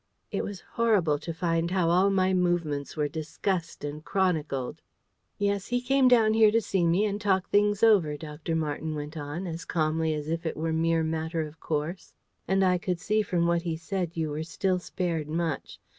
It was horrible to find how all my movements were discussed and chronicled. "Yes, he came down here to see me and talk things over," Dr. Marten went on, as calmly as if it were mere matter of course. "And I could see from what he said you were still spared much.